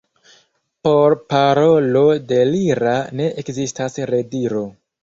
Por parolo delira ne ekzistas rediro.